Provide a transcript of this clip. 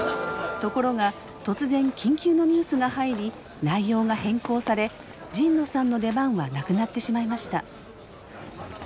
ところが突然緊急のニュースが入り内容が変更され神野さんの出番はなくなってしまいました。